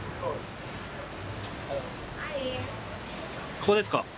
ここですか？